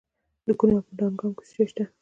د کونړ په دانګام کې څه شی شته؟